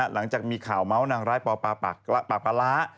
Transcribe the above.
หลังจากมีข่าวเมาส์นางร้ายปอปากปลาร้า